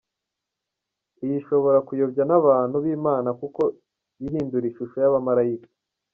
Iyo ishobora kuyobya n’abantu b’Imana kuko yihindura ishusho y’abamalayika.